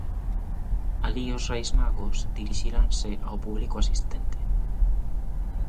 Alí os Reis Magos dirixiranse ao público asistente.